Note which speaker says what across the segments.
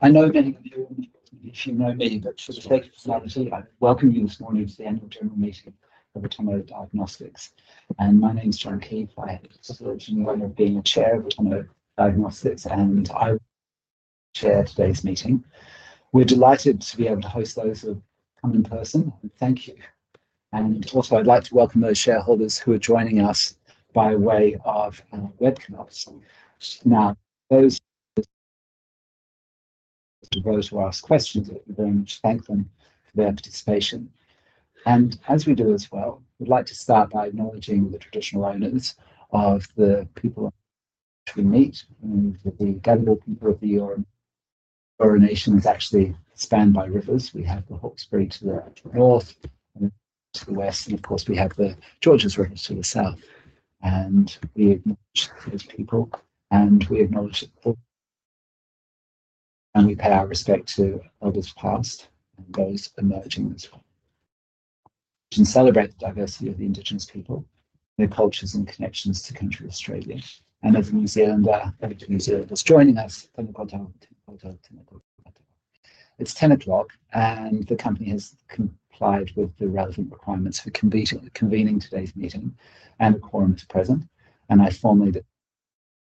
Speaker 1: I know many of you are in the audience who know me, but for the sake of formality, I welcome you this morning to the annual general meeting of Atomo Diagnostics. And my name is John Keith. I have the privilege and the honor of being the Chair of Atomo Diagnostics, and I will chair today's meeting. We're delighted to be able to host those who have come in person. Thank you. And also, I'd like to welcome those shareholders who are joining us by way of webinar. Now, those who have asked questions, I'd like to very much thank them for their participation. And as we do as well, we'd like to start by acknowledging the traditional owners of the land we meet on. The Gadigal people of the Eora Nation actually span by rivers. We have the Hawkesbury to the north and to the west, and of course, we have the Georges River to the south. We acknowledge those people, and we acknowledge all, and we pay our respect to others past and those emerging as well. We celebrate the diversity of the Indigenous people, their cultures, and connections to Country Australia. As a New Zealander, every New Zealander is joining us. It's 10:00 A.M., and the company has complied with the relevant requirements for convening today's meeting, and the quorum is present, and I formally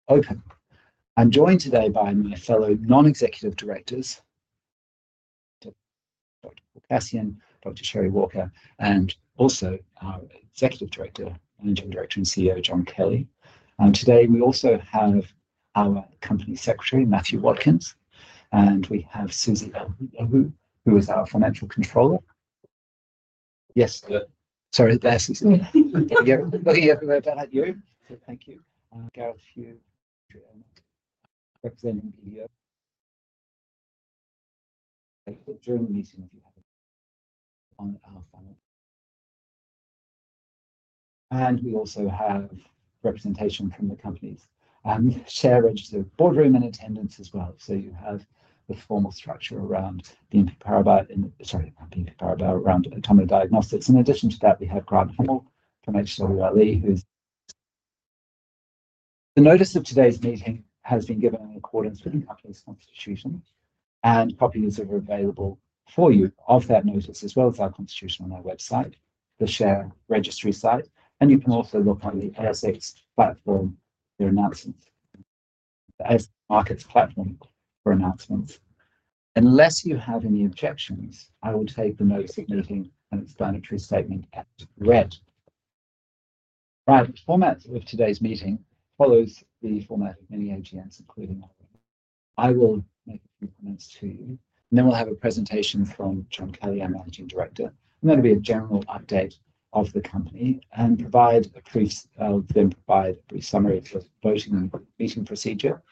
Speaker 1: open. I'm joined today by my fellow non-executive directors, Dr. Kasian, Dr. Cheri Walker, and also our executive director, Managing Director, and CEO John Kelly. Today we also have our Company Secretary Matthew Watkins, and we have Suzy Elhlou, who is our Financial Controller. Yes, sorry, there's Suzy. There you go. Looking around the room at you. Thank you. Gareth Few, representing BDO. During the meeting, if you have any on our financials, and we also have representation from the company's share registry boardroom in attendance as well, so you have the formal structure around the board of Atomo Diagnostics. In addition to that, we have Grant Hummel from HWL Ebsworth, who's. [inaudible] The notice of today's meeting has been given in accordance with the company's constitution, and copies are available for you of that notice as well as our constitution on our website, the share registry site, and you can also look on the ASX platform for announcements, the ASX markets platform for announcements. Unless you have any objections, I will take the notice of meeting and explanatory statement as read. Right, the format of today's meeting follows the format of many AGMs, including our own. I will make a few comments to you, and then we'll have a presentation from John Kelly, our Managing Director. I'm going to be a general update of the company and provide a brief summary of the voting meeting procedure.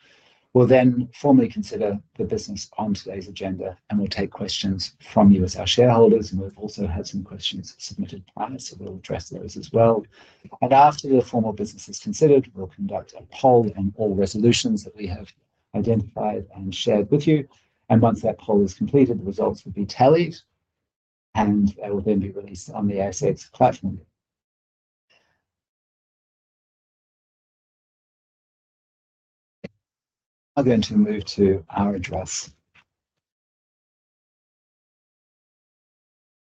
Speaker 1: We'll then formally consider the business on today's agenda, and we'll take questions from you as our shareholders, and we've also had some questions submitted prior, so we'll address those as well, and after the formal business is considered, we'll conduct a poll on all resolutions that we have identified and shared with you, and once that poll is completed, the results will be tallied, and they will then be released on the ASX platform. I'm going to move to our address.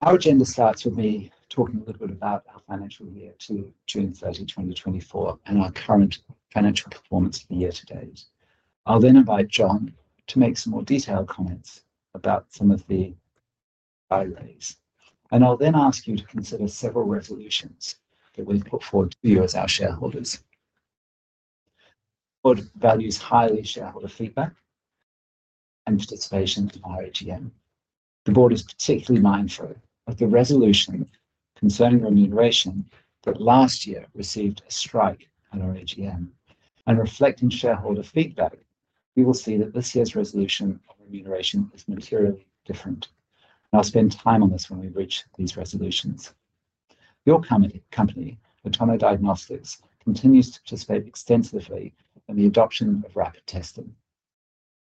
Speaker 1: Our agenda starts with me talking a little bit about our financial year to June 30, 2024, and our current financial performance for the year to date. I'll then invite John to make some more detailed comments about some of the delays, and I'll then ask you to consider several resolutions that we've put forward to you as our shareholders. The board values highly shareholder feedback and participation of our AGM. The board is particularly mindful of the resolution concerning remuneration that last year received a strike at our AGM, and reflecting shareholder feedback, we will see that this year's resolution on remuneration is materially different, and I'll spend time on this when we reach these resolutions. Your company, Atomo Diagnostics, continues to participate extensively in the adoption of rapid testing.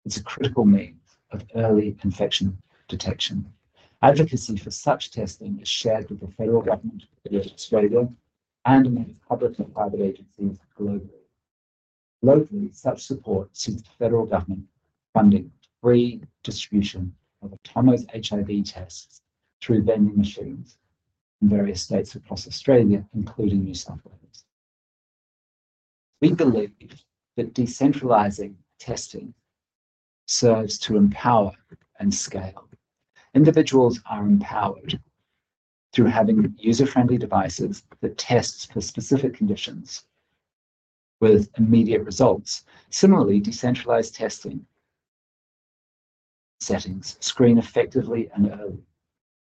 Speaker 1: It's a critical means of early infection detection. Advocacy for such testing is shared with the federal government of Australia and the United States and many public and private agencies globally. Locally, such support seeks the federal government funding for free distribution of Atomo's HIV tests through vending machines in various states across Australia, including New South Wales. We believe that decentralizing testing serves to empower and scale. Individuals are empowered through having user-friendly devices that test for specific conditions with immediate results. Similarly, decentralized testing settings screen effectively and early.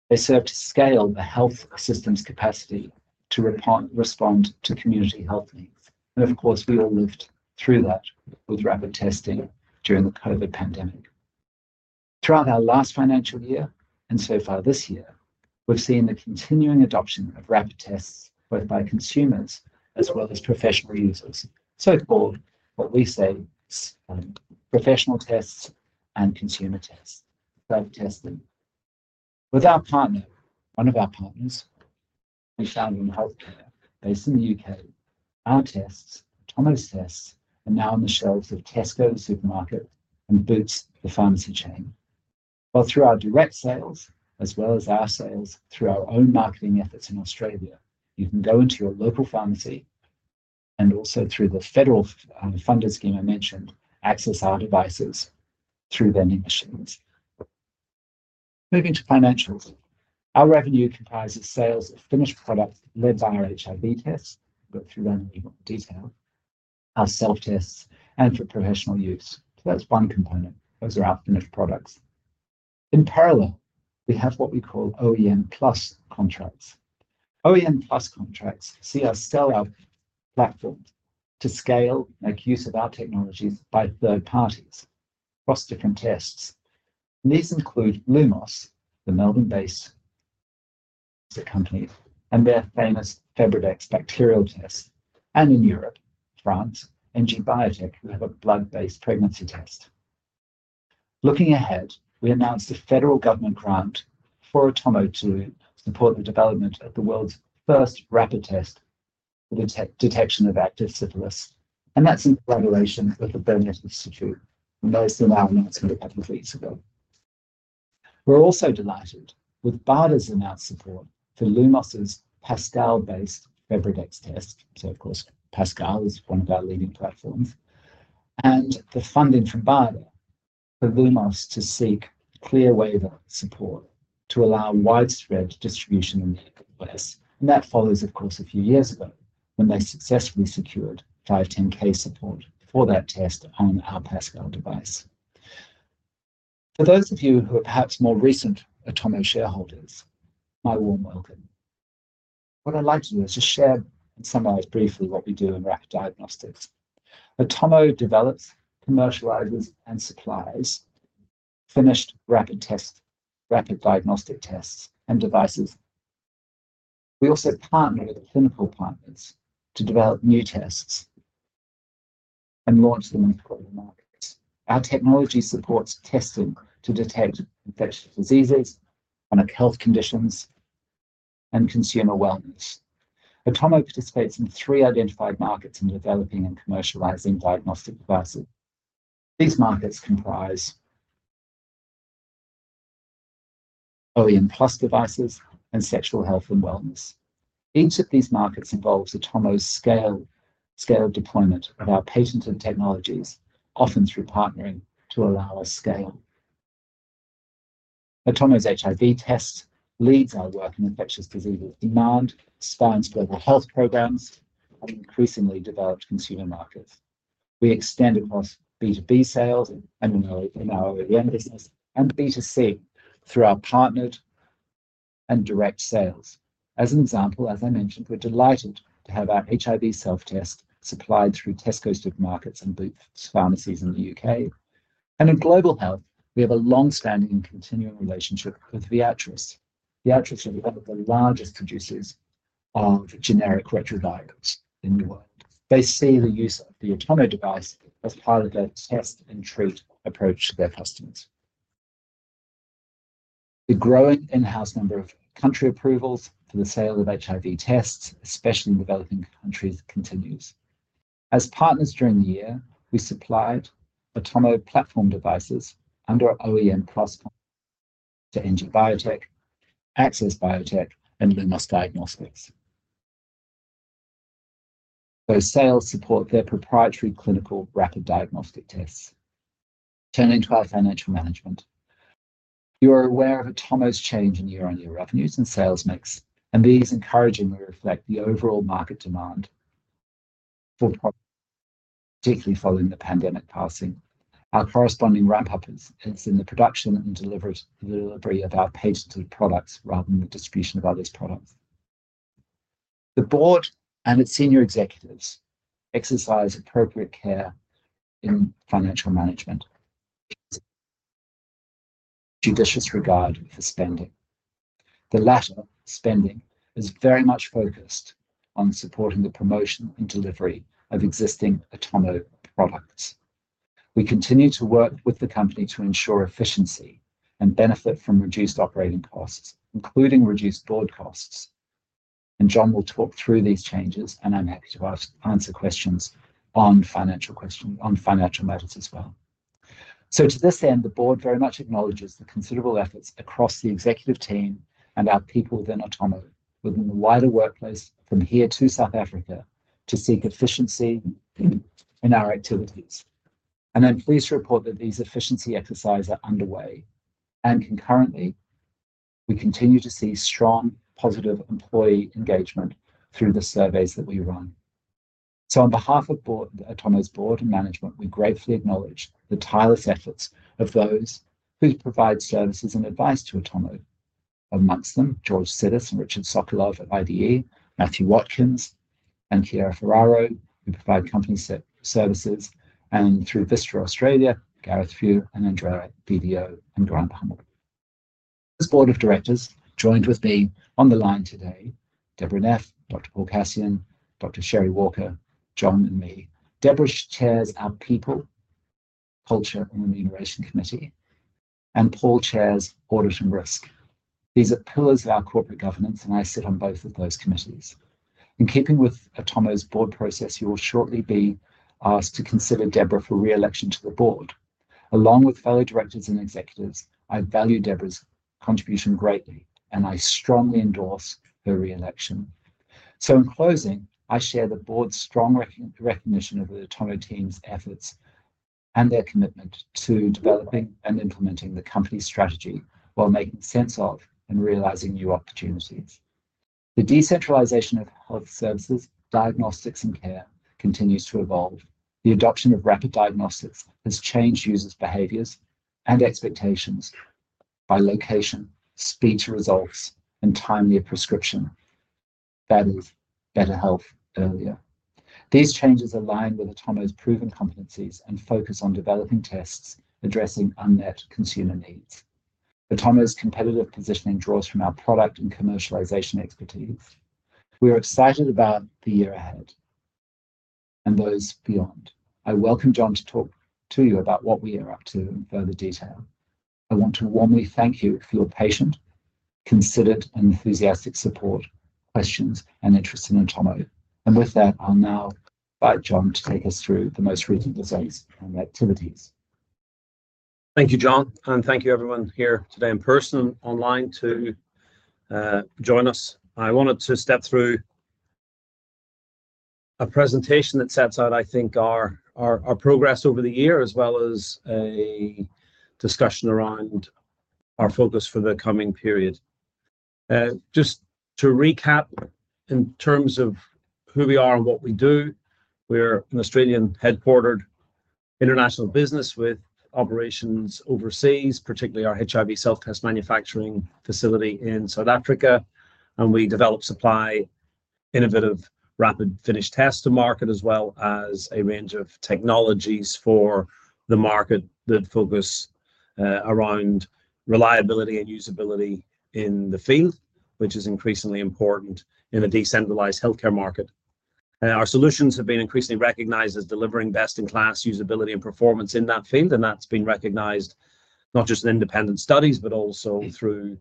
Speaker 1: They serve to scale the health system's capacity to respond to community health needs. And of course, we all lived through that with rapid testing during the COVID pandemic. Throughout our last financial year and so far this year, we've seen the continuing adoption of rapid tests both by consumers as well as professional users. So-called, what we say, professional tests and consumer tests, rapid testing. With our partner, one of our partners, Newfoundland Healthcare based in the U.K., our tests, Atomo's tests, are now on the shelves of Tesco supermarkets and Boots the pharmacy chain, well, through our direct sales, as well as our sales through our own marketing efforts in Australia, you can go into your local pharmacy and also through the federal funder scheme I mentioned, access our devices through vending machines. Moving to financials, our revenue comprises sales of finished products led by our HIV tests. We'll go through that in a little more detail. Our self-tests and for professional use. So that's one component. Those are our finished products. In parallel, we have what we call OEM Plus contracts. OEM Plus contracts see our scale-up platforms to scale, make use of our technologies by third parties across different tests. These include Lumos, the Melbourne-based company, and their famous FebriDx bacterial test, in Europe, in France, and NG Biotech, who have a blood-based pregnancy test. Looking ahead, we announced a federal government grant for Atomo to support the development of the world's first rapid test for the detection of active syphilis. That's in collaboration with the Burnet Institute, and those are now announced a couple of weeks ago. We're also delighted with BARDA's announced support for Lumos's Pascal-based FebriDx test. Of course, Pascal is one of our leading platforms. The funding from BARDA for Lumos to seek CLIA waiver support to allow widespread distribution in the U.S. follows, of course, a few years ago when they successfully secured 510(k) support for that test on our Pascal device. For those of you who are perhaps more recent Atomo shareholders, my warm welcome. What I'd like to do is just share and summarize briefly what we do in Rapid Diagnostics. Atomo develops, commercializes, and supplies finished rapid tests, rapid diagnostic tests, and devices. We also partner with clinical partners to develop new tests and launch them into global markets. Our technology supports testing to detect infectious diseases, chronic health conditions, and consumer wellness. Atomo participates in three identified markets in developing and commercializing diagnostic devices. These markets comprise OEM Plus devices and sexual health and wellness. Each of these markets involves Atomo's scale deployment of our patented technologies, often through partnering to allow us scale. Atomo's HIV tests leads our work in infectious diseases, demand, spans global health programs, and increasingly developed consumer markets. We extend across B2B sales in our OEM business and B2C through our partnered and direct sales. As an example, as I mentioned, we're delighted to have our HIV self-test supplied through Tesco supermarkets and Boots pharmacies in the U.K. And in global health, we have a long-standing and continuing relationship with Viatris. Viatris are one of the largest producers of generic retrovirals in the world. They see the use of the Atomo device as part of their test and treat approach to their customers. The growing in-house number of country approvals for the sale of HIV tests, especially in developing countries, continues. As partners during the year, we supplied Atomo platform devices under OEM Plus to NG Biotech, Access Bio, and Lumos Diagnostics. Those sales support their proprietary clinical rapid diagnostic tests. Turning to our financial management, you are aware of Atomo's change in year-on-year revenues and sales mix, and these encouragingly reflect the overall market demand for products, particularly following the pandemic passing. Our corresponding ramp-up is in the production and delivery of our patented products rather than the distribution of other products. The board and its senior executives exercise appropriate care in financial management, judicious regard for spending. The latter spending is very much focused on supporting the promotion and delivery of existing Atomo products. We continue to work with the company to ensure efficiency and benefit from reduced operating costs, including reduced board costs, and John will talk through these changes, and I'm happy to answer questions on financial matters as well. To this end, the board very much acknowledges the considerable efforts across the executive team and our people within Atomo within the wider workplace from here to South Africa to seek efficiency in our activities, and I'm pleased to report that these efficiency exercises are underway. Concurrently, we continue to see strong positive employee engagement through the surveys that we run. On behalf of Atomo's board and management, we gratefully acknowledge the tireless efforts of those who provide services and advice to Atomo. Among them, George Sidis and Richard Sokolov of IDE, Matthew Watkins, and Kyra Ferraro, who provide company services, and through Vistra Australia, Gareth Few, and Andrea, BDO, and Grant Hummel. This board of directors joined with me on the line today, Deborah Neff, Dr. Paul Kasian, Dr. Cheri Walker, John, and me. Deborah chairs our people, culture, and remuneration committee, and Paul chairs audit and risk. These are pillars of our corporate governance, and I sit on both of those committees. In keeping with Atomo's board process, you will shortly be asked to consider Deborah for re-election to the board. Along with fellow directors and executives, I value Deborah's contribution greatly, and I strongly endorse her re-election. So in closing, I share the board's strong recognition of the Atomo team's efforts and their commitment to developing and implementing the company strategy while making sense of and realizing new opportunities. The decentralization of health services, diagnostics, and care continues to evolve. The adoption of rapid diagnostics has changed users' behaviors and expectations by location, speed to results, and timely prescription. That is, better health earlier. These changes align with Atomo's proven competencies and focus on developing tests addressing unmet consumer needs. Atomo's competitive positioning draws from our product and commercialization expertise. We are excited about the year ahead and those beyond. I welcome John to talk to you about what we are up to in further detail. I want to warmly thank you for your patient, considered, and enthusiastic support, questions, and interest in Atomo, and with that, I'll now invite John to take us through the most recent results and activities.
Speaker 2: Thank you, John, and thank you everyone here today in person and online to join us. I wanted to step through a presentation that sets out, I think, our progress over the year, as well as a discussion around our focus for the coming period. Just to recap, in terms of who we are and what we do, we're an Australian-headquartered international business with operations overseas, particularly our HIV self-test manufacturing facility in South Africa, and we develop, supply, innovative rapid finished tests to market, as well as a range of technologies for the market that focus around reliability and usability in the field, which is increasingly important in a decentralized healthcare market. Our solutions have been increasingly recognized as delivering best-in-class usability and performance in that field, and that's been recognized not just in independent studies, but also through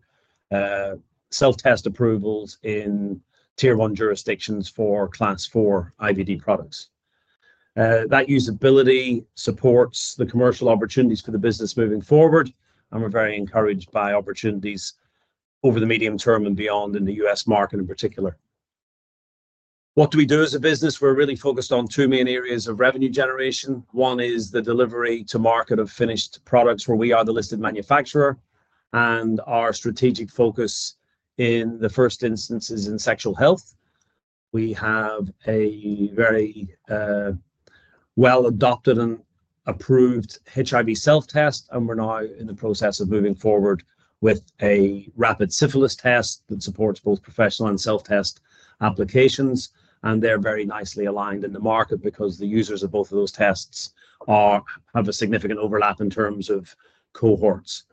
Speaker 2: self-test approvals in tier-one jurisdictions for Class IV IVD products. That usability supports the commercial opportunities for the business moving forward, and we're very encouraged by opportunities over the medium term and beyond in the U.S. market in particular. What do we do as a business? We're really focused on two main areas of revenue generation. One is the delivery to market of finished products, where we are the listed manufacturer, and our strategic focus in the first instance is in sexual health. We have a very well-adopted and approved HIV self-test, and we're now in the process of moving forward with a rapid syphilis test that supports both professional and self-test applications. And they're very nicely aligned in the market because the users of both of those tests have a significant overlap in terms of cohorts.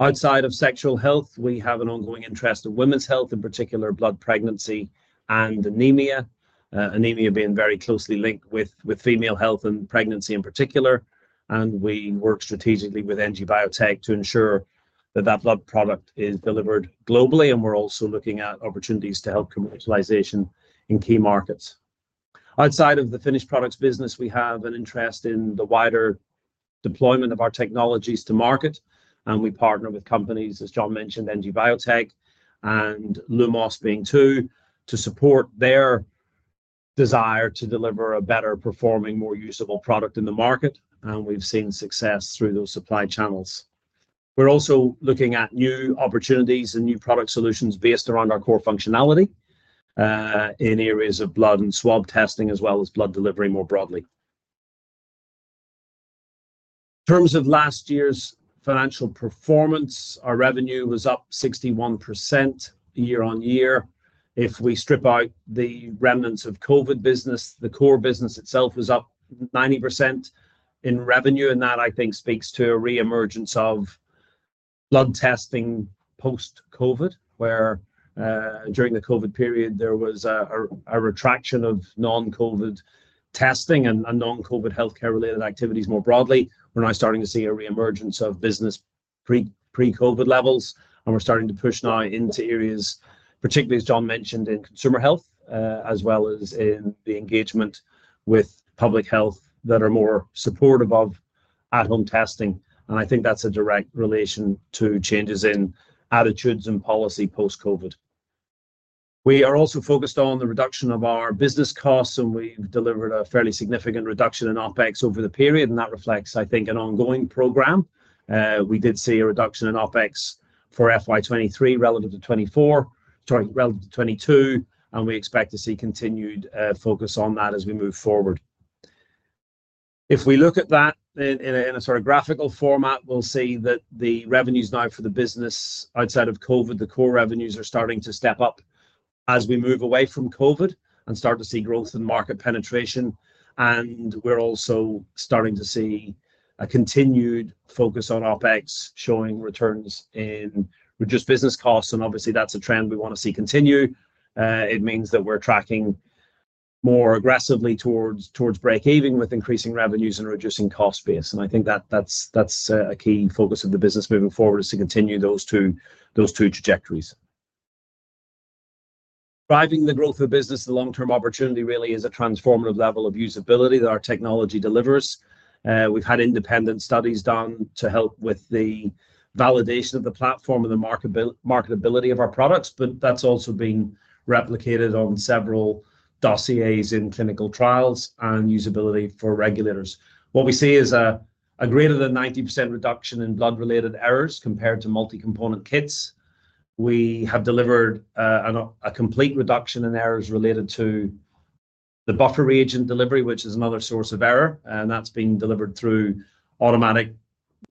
Speaker 2: Outside of sexual health, we have an ongoing interest in women's health, in particular blood pregnancy and anemia, anemia being very closely linked with female health and pregnancy in particular. And we work strategically with NG Biotech to ensure that that blood product is delivered globally. And we're also looking at opportunities to help commercialization in key markets. Outside of the finished products business, we have an interest in the wider deployment of our technologies to market. And we partner with companies, as John mentioned, NG Biotech and Lumos being two, to support their desire to deliver a better-performing, more usable product in the market. And we've seen success through those supply channels. We're also looking at new opportunities and new product solutions based around our core functionality in areas of blood and swab testing, as well as blood delivery more broadly. In terms of last year's financial performance, our revenue was up 61% year-on-year. If we strip out the remnants of COVID business, the core business itself was up 90% in revenue. And that, I think, speaks to a re-emergence of blood testing post-COVID, where during the COVID period, there was a retraction of non-COVID testing and non-COVID healthcare-related activities more broadly. We're now starting to see a re-emergence of business pre-COVID levels. And we're starting to push now into areas, particularly, as John mentioned, in consumer health, as well as in the engagement with public health that are more supportive of at-home testing. And I think that's a direct relation to changes in attitudes and policy post-COVID. We are also focused on the reduction of our business costs, and we've delivered a fairly significant reduction in OpEx over the period. And that reflects, I think, an ongoing program. We did see a reduction in OpEx for FY 2023 relative to 2024, sorry, relative to 2022. And we expect to see continued focus on that as we move forward. If we look at that in a sort of graphical format, we'll see that the revenues now for the business outside of COVID, the core revenues are starting to step up as we move away from COVID and start to see growth in market penetration. And we're also starting to see a continued focus on OpEx showing returns in reduced business costs. And obviously, that's a trend we want to see continue. It means that we're tracking more aggressively towards break-even with increasing revenues and reducing cost base. I think that that's a key focus of the business moving forward is to continue those two trajectories. Driving the growth of the business, the long-term opportunity really is a transformative level of usability that our technology delivers. We've had independent studies done to help with the validation of the platform and the marketability of our products, but that's also been replicated on several dossiers in clinical trials and usability for regulators. What we see is a greater than 90% reduction in blood-related errors compared to multi-component kits. We have delivered a complete reduction in errors related to the buffer reagent delivery, which is another source of error. That's been delivered through automatic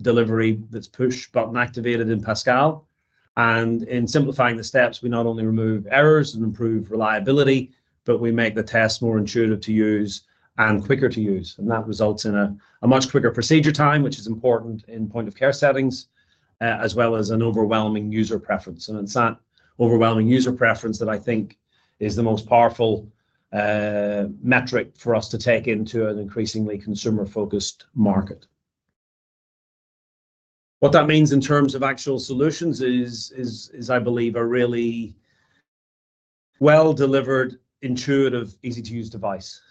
Speaker 2: delivery that's push-button activated in Pascal. In simplifying the steps, we not only remove errors and improve reliability, but we make the test more intuitive to use and quicker to use. That results in a much quicker procedure time, which is important in point-of-care settings, as well as an overwhelming user preference. It's that overwhelming user preference that I think is the most powerful metric for us to take into an increasingly consumer-focused market. What that means in terms of actual solutions is, I believe, a really well-delivered, intuitive, easy-to-use device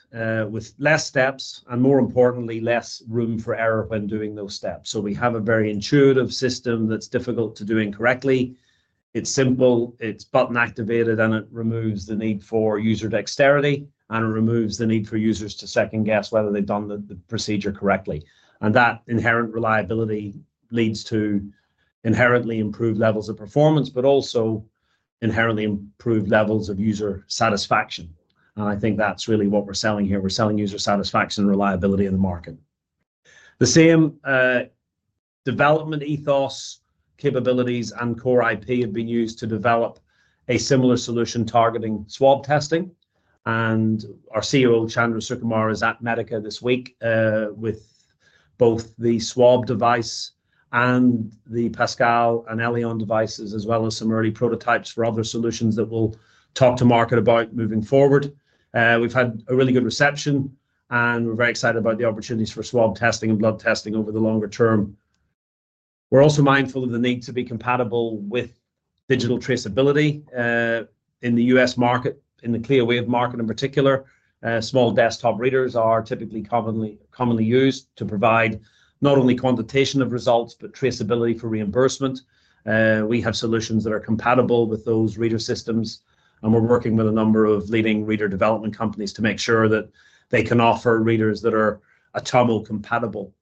Speaker 2: with less steps and, more importantly, less room for error when doing those steps. We have a very intuitive system that's difficult to do incorrectly. It's simple. It's button-activated, and it removes the need for user dexterity, and it removes the need for users to second-guess whether they've done the procedure correctly. That inherent reliability leads to inherently improved levels of performance, but also inherently improved levels of user satisfaction. I think that's really what we're selling here. We're selling user satisfaction and reliability in the market. The same development ethos, capabilities, and core IP have been used to develop a similar solution targeting swab testing. And our CEO, Chandra Sekhar, is at Medica this week with both the swab device and the Pascal and Elan devices, as well as some early prototypes for other solutions that we'll talk to market about moving forward. We've had a really good reception, and we're very excited about the opportunities for swab testing and blood testing over the longer term. We're also mindful of the need to be compatible with digital traceability in the U.S. market, in the CLIA-waived market in particular. Small desktop readers are typically commonly used to provide not only quantitation of results, but traceability for reimbursement. We have solutions that are compatible with those reader systems, and we're working with a number of leading reader development companies to make sure that they can offer readers that are Atomo-compatible.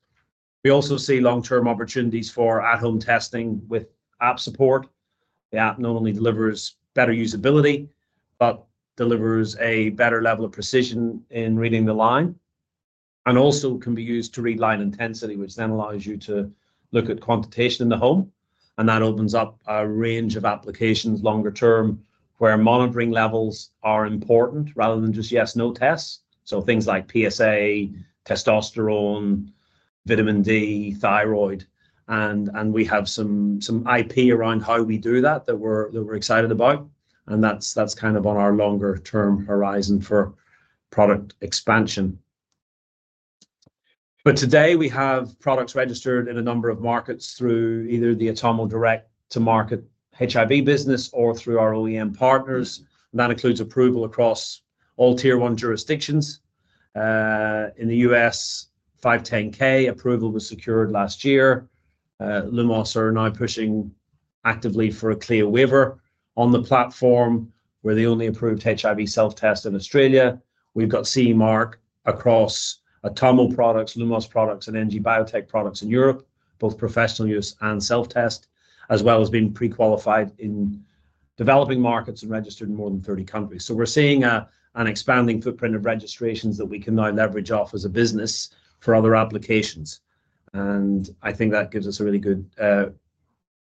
Speaker 2: We also see long-term opportunities for at-home testing with app support. The app not only delivers better usability, but delivers a better level of precision in reading the line and also can be used to read line intensity, which then allows you to look at quantitation in the home. And that opens up a range of applications longer term where monitoring levels are important rather than just yes/no tests. So things like PSA, testosterone, vitamin D, thyroid. And we have some IP around how we do that that we're excited about. And that's kind of on our longer-term horizon for product expansion. But today, we have products registered in a number of markets through either the Atomo direct-to-market HIV business or through our OEM partners. And that includes approval across all tier-one jurisdictions. In the U.S., 510(k) approval was secured last year. Lumos are now pushing actively for a CLIA Waiver on the platform. We're the only approved HIV self-test in Australia. We've got CE Mark across Atomo products, Lumos products, and NG Biotech products in Europe, both professional use and self-test, as well as being pre-qualified in developing markets and registered in more than 30 countries. So we're seeing an expanding footprint of registrations that we can now leverage off as a business for other applications. And I think that gives us a really good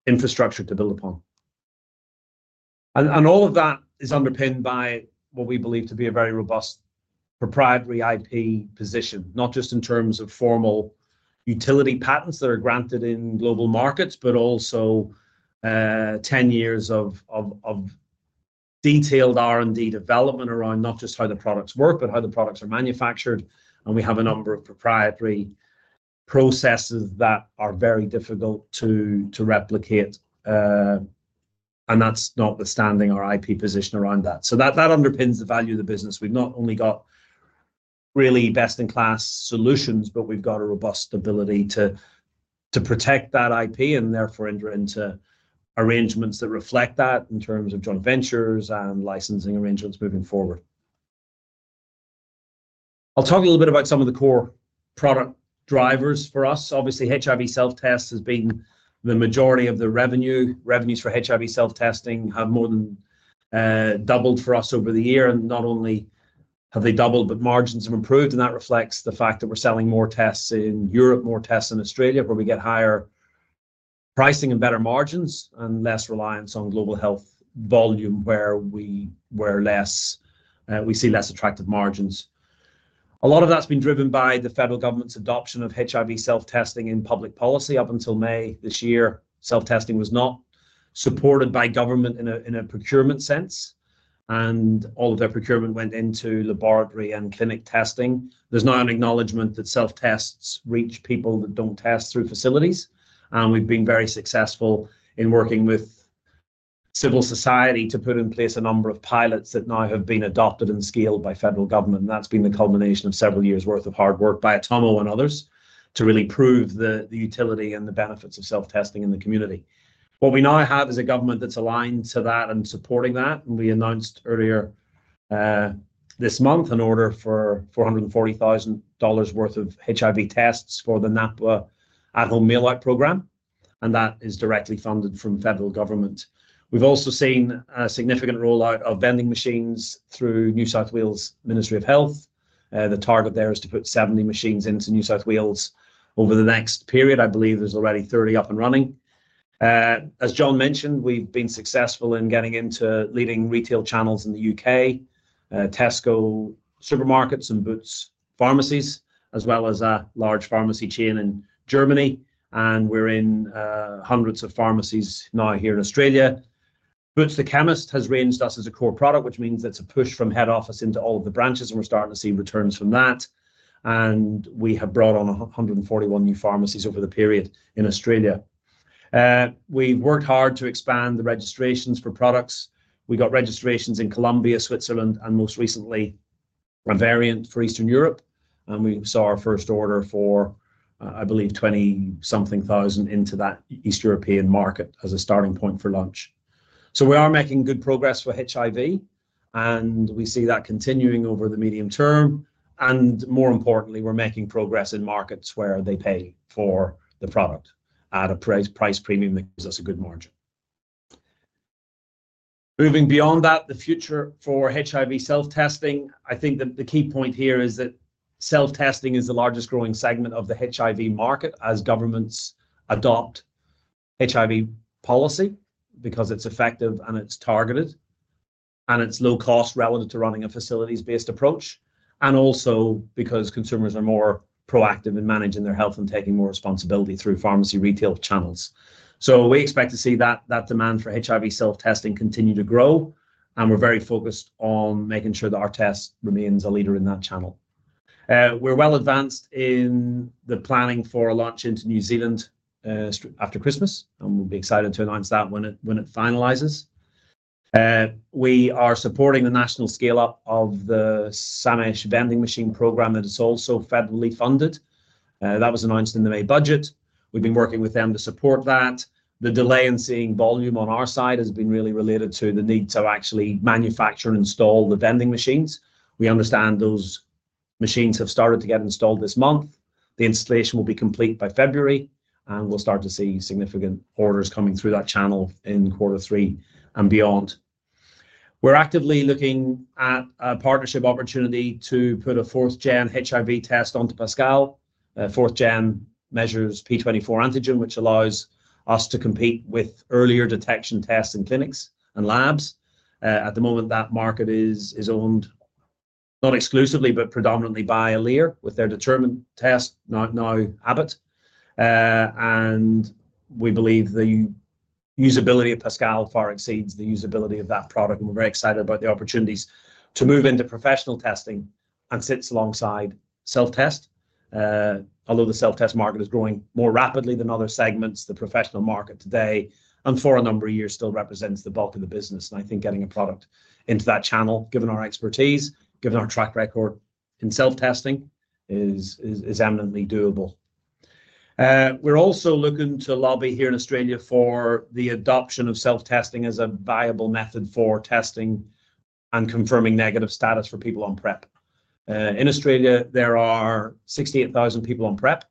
Speaker 2: infrastructure to build upon. And all of that is underpinned by what we believe to be a very robust proprietary IP position, not just in terms of formal utility patents that are granted in global markets, but also 10 years of detailed R&D development around not just how the products work, but how the products are manufactured. And we have a number of proprietary processes that are very difficult to replicate. And that's notwithstanding our IP position around that. So that underpins the value of the business. We've not only got really best-in-class solutions, but we've got a robust ability to protect that IP and therefore enter into arrangements that reflect that in terms of joint ventures and licensing arrangements moving forward. I'll talk a little bit about some of the core product drivers for us. Obviously, HIV self-test has been the majority of the revenue. Revenues for HIV self-testing have more than doubled for us over the year. And not only have they doubled, but margins have improved. And that reflects the fact that we're selling more tests in Europe, more tests in Australia, where we get higher pricing and better margins and less reliance on global health volume, where we see less attractive margins. A lot of that's been driven by the federal government's adoption of HIV self-testing in public policy. Up until May this year, self-testing was not supported by government in a procurement sense. And all of their procurement went into laboratory and clinic testing. There's now an acknowledgement that self-tests reach people that don't test through facilities. And we've been very successful in working with civil society to put in place a number of pilots that now have been adopted and scaled by federal government. That's been the culmination of several years' worth of hard work by Atomo and others to really prove the utility and the benefits of self-testing in the community. What we now have is a government that's aligned to that and supporting that. We announced earlier this month an order for 440,000 dollars worth of HIV tests for the NAPWHA at-home mail-out program. That is directly funded from federal government. We've also seen a significant rollout of vending machines through New South Wales Ministry of Health. The target there is to put 70 machines into New South Wales over the next period. I believe there's already 30 up and running. As John mentioned, we've been successful in getting into leading retail channels in the U.K., Tesco supermarkets and Boots Pharmacies, as well as a large pharmacy chain in Germany. We're in hundreds of pharmacies now here in Australia. Boots the Chemist has ranged us as a core product, which means it's a push from head office into all of the branches, and we're starting to see returns from that, and we have brought on 141 new pharmacies over the period in Australia. We've worked hard to expand the registrations for products. We got registrations in Colombia, Switzerland, and most recently, Bulgaria for Eastern Europe, and we saw our first order for, I believe, 20-something thousand into that East European market as a starting point for launch, so we are making good progress for HIV, and we see that continuing over the medium term, and more importantly, we're making progress in markets where they pay for the product at a price premium that gives us a good margin. Moving beyond that, the future for HIV self-testing, I think the key point here is that self-testing is the largest growing segment of the HIV market as governments adopt HIV policy because it's effective and it's targeted and it's low cost relative to running a facilities-based approach, and also because consumers are more proactive in managing their health and taking more responsibility through pharmacy retail channels, so we expect to see that demand for HIV self-testing continue to grow, and we're very focused on making sure that our test remains a leader in that channel. We're well advanced in the planning for a launch into New Zealand after Christmas, and we'll be excited to announce that when it finalizes. We are supporting the national scale-up of the SAMESH vending machine program that is also federally funded. That was announced in the May budget. We've been working with them to support that. The delay in seeing volume on our side has been really related to the need to actually manufacture and install the vending machines. We understand those machines have started to get installed this month. The installation will be complete by February, and we'll start to see significant orders coming through that channel in quarter three and beyond. We're actively looking at a partnership opportunity to put a 4th-gen HIV test onto Pascal. 4th-gen measures p24 antigen, which allows us to compete with earlier detection tests in clinics and labs. At the moment, that market is owned not exclusively, but predominantly by Alere with their Determine test now, Abbott, and we believe the usability of Pascal far exceeds the usability of that product, and we're very excited about the opportunities to move into professional testing and sits alongside self-test. Although the self-test market is growing more rapidly than other segments, the professional market today and for a number of years still represents the bulk of the business, and I think getting a product into that channel, given our expertise, given our track record in self-testing, is eminently doable. We're also looking to lobby here in Australia for the adoption of self-testing as a viable method for testing and confirming negative status for people on PrEP. In Australia, there are 68,000 people on PrEP.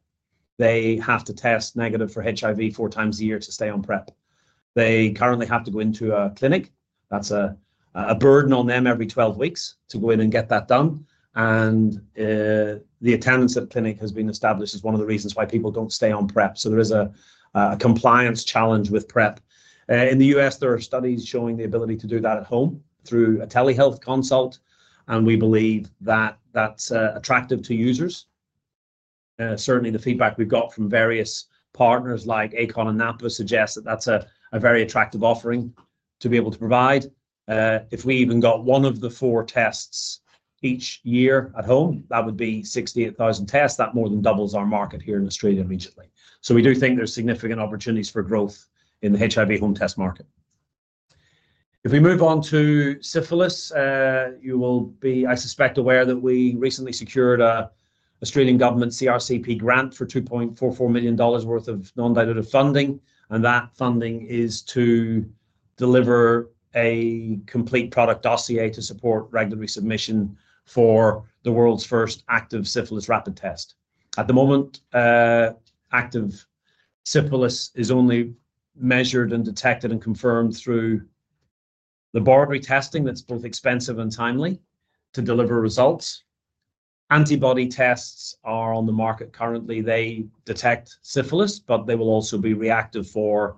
Speaker 2: They have to test negative for HIV four times a year to stay on PrEP. They currently have to go into a clinic. That's a burden on them every 12 weeks to go in and get that done, and the attendance at clinic has been established as one of the reasons why people don't stay on PrEP, so there is a compliance challenge with PrEP. In the U.S., there are studies showing the ability to do that at home through a telehealth consult, and we believe that that's attractive to users. Certainly, the feedback we've got from various partners like ACON and NAPWHA suggests that that's a very attractive offering to be able to provide. If we even got one of the four tests each year at home, that would be 68,000 tests. That more than doubles our market here in Australia immediately. So we do think there's significant opportunities for growth in the HIV home test market. If we move on to syphilis, you will be, I suspect, aware that we recently secured an Australian government CRCP grant for 2.44 million dollars worth of non-dilutive funding, and that funding is to deliver a complete product dossier to support regular resubmission for the world's first active syphilis rapid test. At the moment, active syphilis is only measured and detected and confirmed through laboratory testing that's both expensive and timely to deliver results. Antibody tests are on the market currently. They detect syphilis, but they will also be reactive for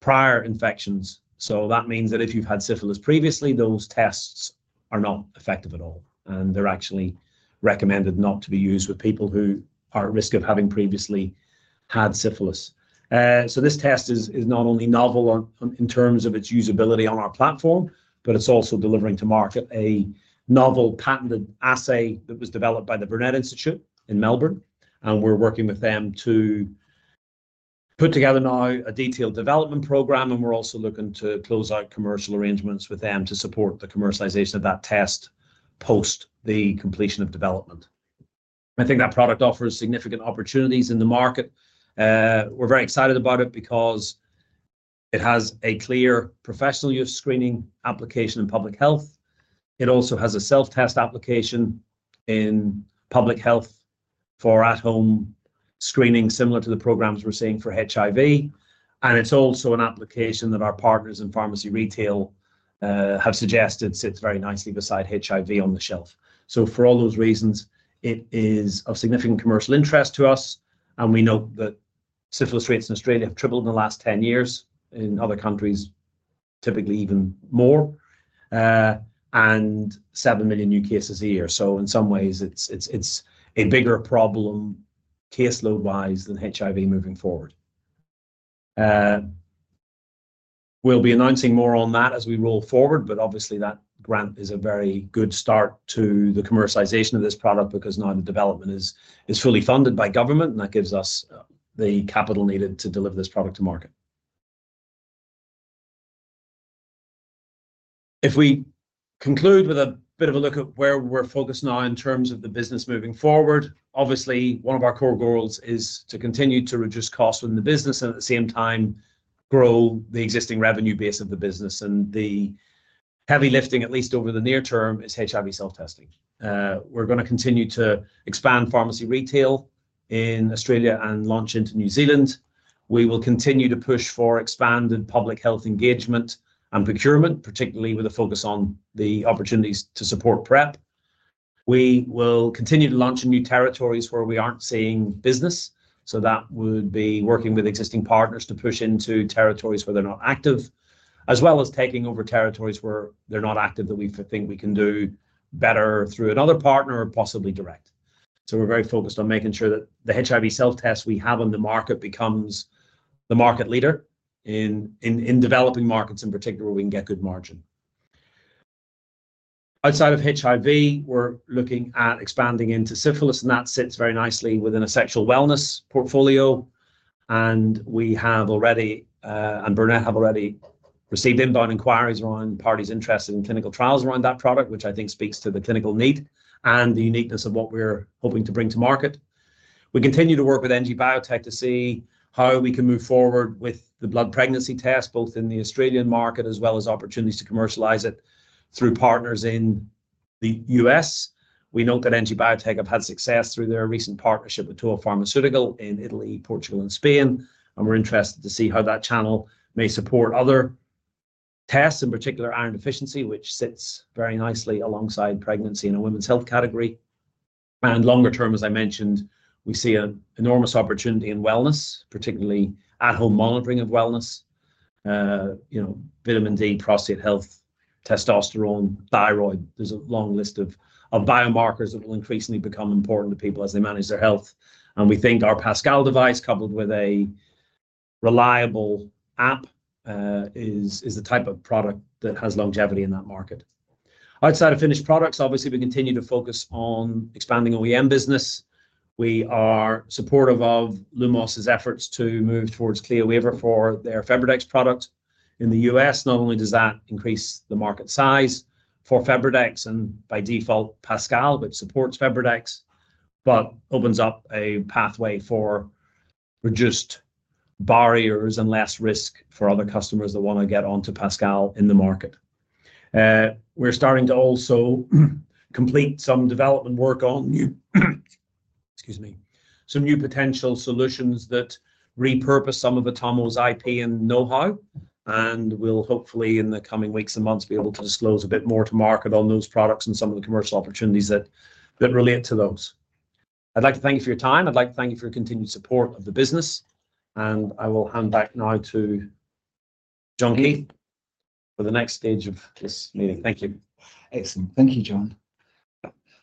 Speaker 2: prior infections. So that means that if you've had syphilis previously, those tests are not effective at all. And they're actually recommended not to be used with people who are at risk of having previously had syphilis. So this test is not only novel in terms of its usability on our platform, but it's also delivering to market a novel patented assay that was developed by the Burnet Institute in Melbourne. And we're working with them to put together now a detailed development program. And we're also looking to close out commercial arrangements with them to support the commercialization of that test post the completion of development. I think that product offers significant opportunities in the market. We're very excited about it because it has a clear professional use screening application in public health. It also has a self-test application in public health for at-home screening similar to the programs we're seeing for HIV. And it's also an application that our partners in pharmacy retail have suggested sits very nicely beside HIV on the shelf. So for all those reasons, it is of significant commercial interest to us. And we know that syphilis rates in Australia have tripled in the last 10 years. In other countries, typically even more and 7 million new cases a year. So in some ways, it's a bigger problem caseload-wise than HIV moving forward. We'll be announcing more on that as we roll forward. Obviously, that grant is a very good start to the commercialization of this product because now the development is fully funded by government. That gives us the capital needed to deliver this product to market. If we conclude with a bit of a look at where we're focused now in terms of the business moving forward, obviously, one of our core goals is to continue to reduce costs within the business and at the same time grow the existing revenue base of the business. The heavy lifting, at least over the near term, is HIV self-testing. We're going to continue to expand pharmacy retail in Australia and launch into New Zealand. We will continue to push for expanded public health engagement and procurement, particularly with a focus on the opportunities to support PrEP. We will continue to launch in new territories where we aren't seeing business. So that would be working with existing partners to push into territories where they're not active, as well as taking over territories where they're not active that we think we can do better through another partner or possibly direct. So we're very focused on making sure that the HIV self-test we have on the market becomes the market leader in developing markets in particular where we can get good margin. Outside of HIV, we're looking at expanding into syphilis. And that sits very nicely within a sexual wellness portfolio. And we and Burnet have already received inbound inquiries around parties interested in clinical trials around that product, which I think speaks to the clinical need and the uniqueness of what we're hoping to bring to market. We continue to work with NG Biotech to see how we can move forward with the blood pregnancy test, both in the Australian market as well as opportunities to commercialize it through partners in the U.S. We note that NG Biotech have had success through their recent partnership with Teva Pharmaceutical in Italy, Portugal, and Spain. And we're interested to see how that channel may support other tests, in particular iron deficiency, which sits very nicely alongside pregnancy in a women's health category. And longer term, as I mentioned, we see an enormous opportunity in wellness, particularly at-home monitoring of wellness: vitamin D, prostate health, testosterone, thyroid. There's a long list of biomarkers that will increasingly become important to people as they manage their health. And we think our Pascal device, coupled with a reliable app, is the type of product that has longevity in that market. Outside of finished products, obviously, we continue to focus on expanding OEM business. We are supportive of Lumos's efforts to move towards CLIA Waiver for their FebriDx product in the U.S. Not only does that increase the market size for FebriDx and by default Pascal, which supports FebriDx, but opens up a pathway for reduced barriers and less risk for other customers that want to get onto Pascal in the market. We're starting to also complete some development work on new, excuse me, some new potential solutions that repurpose some of Atomo's IP and know-how, and we'll hopefully, in the coming weeks and months, be able to disclose a bit more to market on those products and some of the commercial opportunities that relate to those. I'd like to thank you for your time. I'd like to thank you for your continued support of the business. And I will hand back now to John Keith for the next stage of this meeting.
Speaker 1: Thank you. Excellent. Thank you, John.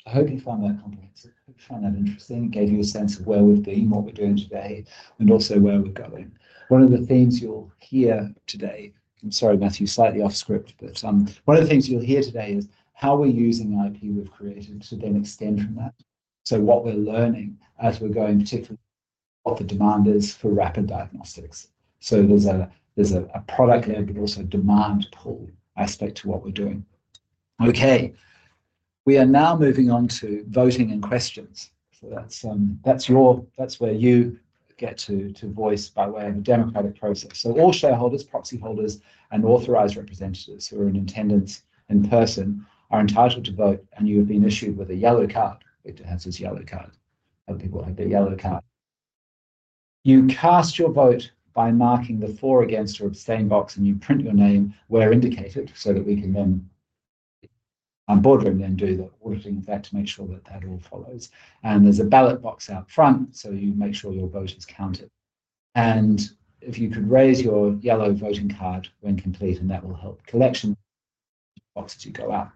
Speaker 1: I hope you found that comprehensive. I hope you found that interesting. It gave you a sense of where we've been, what we're doing today, and also where we're going. One of the themes you'll hear today. I'm sorry, Matthew, slightly off script, but one of the things you'll hear today is how we're using the IP we've created to then extend from that so what we're learning as we're going, particularly what the demand is for rapid diagnostics so there's a product-led but also demand-pull aspect to what we're doing. Okay. We are now moving on to voting and questions so that's your, that's where you get to voice by way of a democratic process. All shareholders, proxy holders, and authorized representatives who are in attendance in person are entitled to vote. You have been issued with a yellow card. Victor has his yellow card. Other people have their yellow card. You cast your vote by marking the for, against or abstain box. You print your name where indicated so that we can then on boardroom then do the auditing of that to make sure that that all follows. There's a ballot box out front. You make sure your vote is counted. If you could raise your yellow voting card when complete, and that will help collection boxes you go out.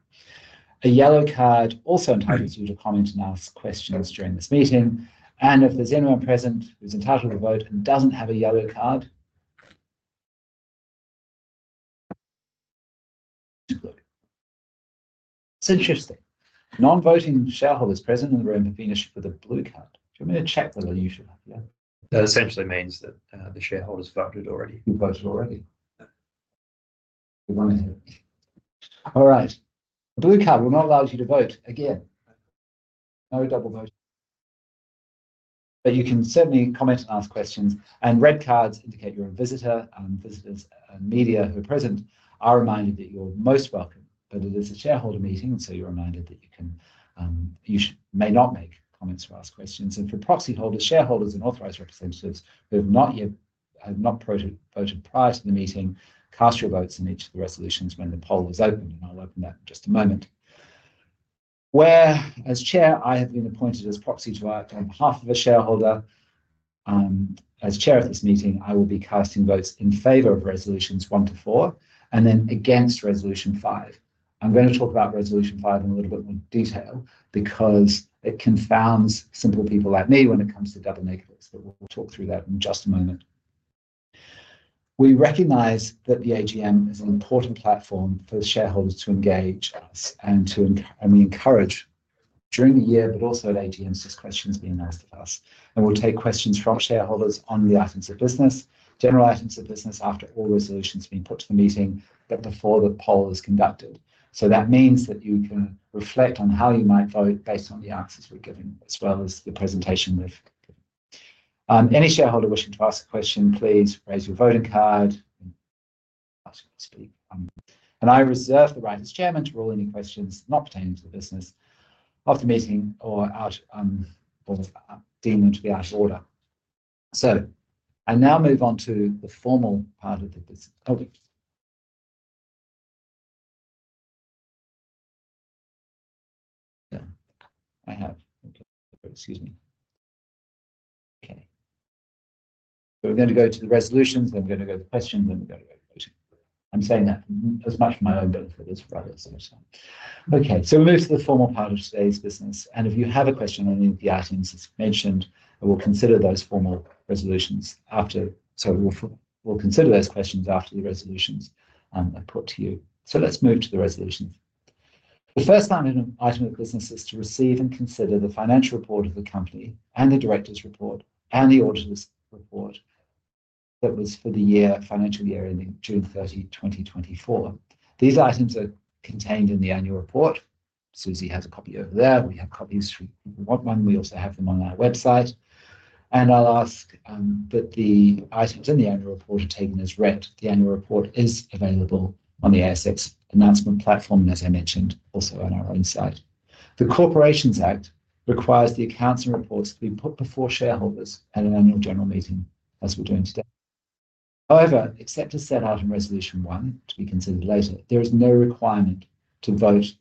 Speaker 1: A yellow card also entitles you to comment and ask questions during this meeting. If there's anyone present who's entitled to vote and doesn't have a yellow card, it's interesting. Non-voting shareholders present in the room have been issued with a blue card. Do you want me to check whether you should have? Yeah. That essentially means that the shareholders voted already. You voted already. You want to hear it. All right. A blue card will not allow you to vote again. No double voting. But you can certainly comment and ask questions. And red cards indicate you're a visitor. And visitors and media who are present are reminded that you're most welcome. But it is a shareholder meeting. So you're reminded that you may not make comments or ask questions. And for proxy holders, shareholders, and authorized representatives who have not yet voted prior to the meeting, cast your votes in each of the resolutions when the poll is open. And I'll open that in just a moment. Where, as Chair, I have been appointed as proxy to act on behalf of a shareholder. As Chair of this meeting, I will be casting votes in favor of resolutions one to four and then against resolution five. I'm going to talk about resolution five in a little bit more detail because it confounds simple people like me when it comes to double negatives. But we'll talk through that in just a moment. We recognize that the AGM is an important platform for shareholders to engage us. And we encourage during the year, but also at AGMs, just questions being asked of us. And we'll take questions from shareholders on the items of business, general items of business after all resolutions have been put to the meeting before the poll is conducted. So that means that you can reflect on how you might vote based on the answers we've given as well as the presentation we've given. Any shareholder wishing to ask a question, please raise your voting card, and I reserve the right as Chairman to rule any questions not pertaining to the business of the meeting or deem them to be out of order. So I now move on to the formal part of the business. Oh, excuse me. Okay. So we're going to go to the resolutions. Then we're going to go to questions. Then we're going to go to voting. I'm saying that as much for my own benefit as for others. Okay. So we move to the formal part of today's business, and if you have a question on any of the items mentioned, we'll consider those formal resolutions after. We'll consider those questions after the resolutions are put to you. Let's move to the resolutions. The first item of business is to receive and consider the financial report of the company and the director's report and the auditor's report that was for the financial year ending June 30, 2024. These items are contained in the annual report. Suzy has a copy over there. We have copies if you want one. We also have them on our website. I'll ask that the items in the annual report are taken as read. The annual report is available on the ASX announcement platform and, as I mentioned, also on our own site. The Corporations Act requires the accounts and reports to be put before shareholders at an annual general meeting, as we're doing today. However, except as set out in resolution one to be considered later, there is no requirement for a vote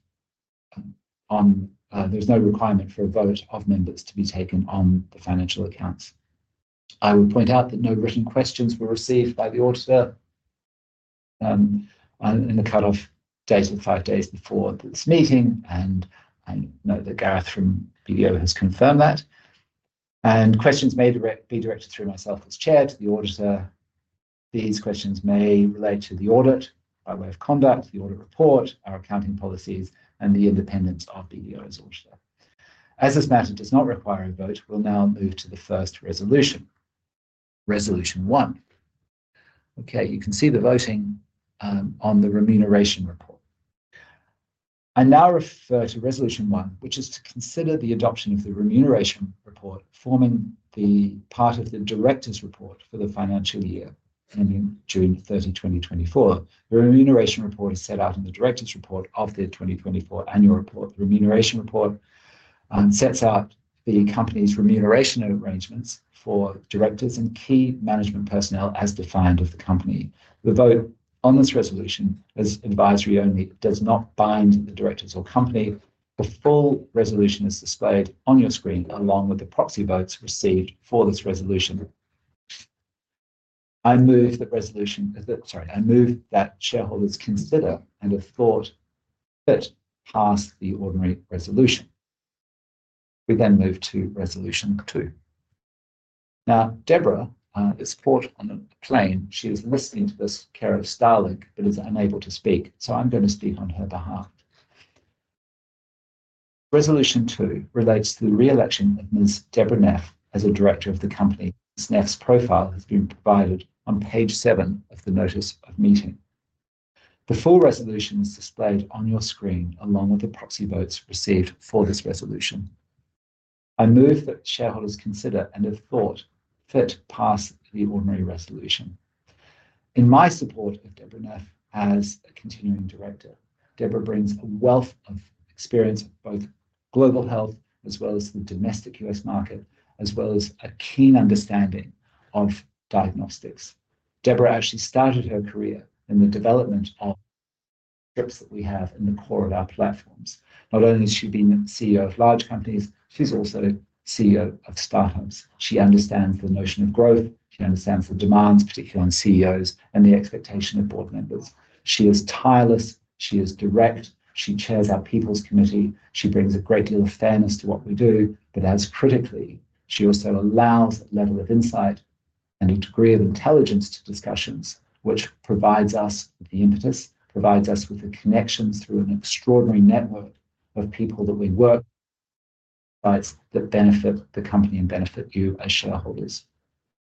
Speaker 1: of members to be taken on the financial accounts. I will point out that no written questions were received by the auditor in the cut-off date of five days before this meeting. I know that Gareth from BDO has confirmed that. Questions may be directed through myself as Chair to the auditor. These questions may relate to the audit by way of conduct, the audit report, our accounting policies, and the independence of BDO's auditor. As this matter does not require a vote, we'll now move to the first resolution, resolution one. Okay. You can see the voting on the Remuneration Report. I now refer to resolution one, which is to consider the adoption of the Remuneration Report forming part of the director's report for the financial year ending June 30, 2024. The Remuneration Report is set out in the director's report of the 2024 annual report. The Remuneration Report sets out the company's remuneration arrangements for directors and key management personnel as defined of the company. The vote on this resolution is advisory only. It does not bind the directors or company. The full resolution is displayed on your screen along with the proxy votes received for this resolution. I move that shareholders consider and have thought that pass the ordinary resolution. We then move to resolution two. Now, Deborah is caught on a plane. She is listening to this call streaming but is unable to speak. So I'm going to speak on her behalf. Resolution two relates to the re-election of Ms. Deborah Neff as a director of the company. Ms. Neff's profile has been provided on page seven of the notice of meeting. The full resolution is displayed on your screen along with the proxy votes received for this resolution. I move that shareholders consider and have thought fit pass the ordinary resolution. In my support of Deborah Neff as a continuing director, Deborah brings a wealth of experience of both global health as well as the domestic U.S. market, as well as a keen understanding of diagnostics. Deborah actually started her career in the development of strips that we have in the core of our platforms. Not only has she been CEO of large companies, she's also CEO of startups. She understands the notion of growth. She understands the demands, particularly on CEOs, and the expectation of board members. She is tireless. She is direct. She chairs our people's committee. She brings a great deal of fairness to what we do. But as critically, she also allows a level of insight and a degree of intelligence to discussions, which provides us with the impetus, provides us with the connections through an extraordinary network of people that we work with that benefit the company and benefit you as shareholders.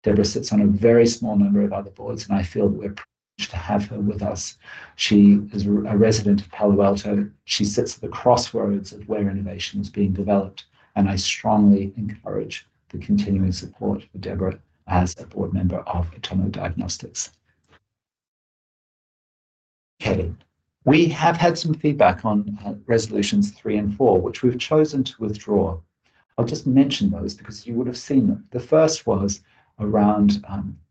Speaker 1: Deborah sits on a very small number of other boards. And I feel that we're privileged to have her with us. She is a resident of Palo Alto. She sits at the crossroads of where innovation is being developed. And I strongly encourage the continuing support for Deborah as a board member of Atomo Diagnostics. Okay. We have had some feedback on resolutions three and four, which we've chosen to withdraw. I'll just mention those because you would have seen them. The first was around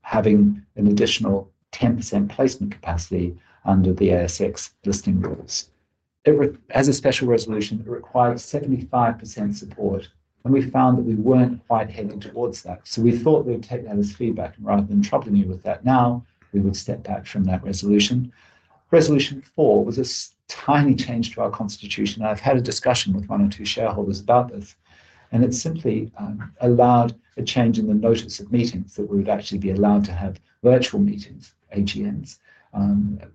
Speaker 1: having an additional 10% placement capacity under the ASX listing rules. As a special resolution, it required 75% support. And we found that we weren't quite heading towards that. So we thought we would take that as feedback. And rather than troubling you with that now, we would step back from that resolution. Resolution four was a tiny change to our constitution. And I've had a discussion with one or two shareholders about this. And it simply allowed a change in the notice of meetings that we would actually be allowed to have virtual meetings, AGMs,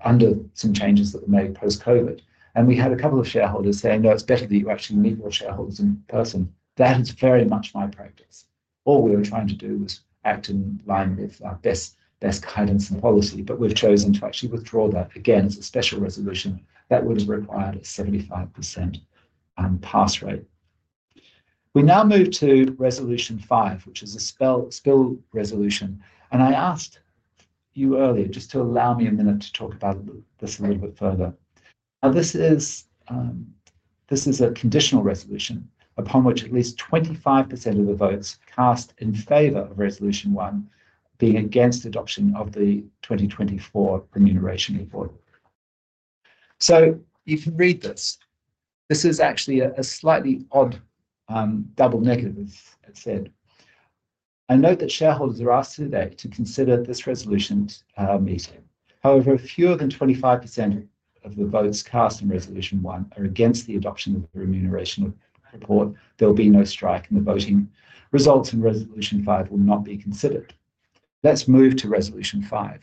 Speaker 1: under some changes that were made post-COVID. And we had a couple of shareholders say, "No, it's better that you actually meet with shareholders in person." That is very much my practice. All we were trying to do was act in line with our best guidance and policy. But we've chosen to actually withdraw that again as a special resolution that would have required a 75% pass rate. We now move to resolution five, which is a Spill Resolution. And I asked you earlier just to allow me a minute to talk about this a little bit further. Now, this is a conditional resolution upon which at least 25% of the votes cast in favor of resolution one being against adoption of the 2024 Remuneration Report. So you can read this. This is actually a slightly odd double negative, as said. I note that shareholders are asked today to consider this resolution meeting. However, if fewer than 25% of the votes cast in resolution one are against the adoption of the Remuneration Report, there will be no strike. And the voting results in resolution five will not be considered. Let's move to resolution five.